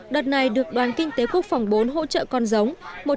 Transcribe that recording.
đợt này được đoàn kinh tế quốc phòng bốn hỗ trợ con giống